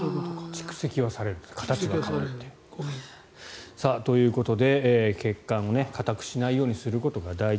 蓄積はされる形が変わって。ということで血管を固くしないようにすることが大事。